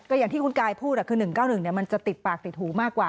อย่างที่คุณกายพูดคือ๑๙๑มันจะติดปากติดหูมากกว่า